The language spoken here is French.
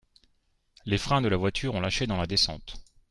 Les freins de la voiture ont lâché dans la descente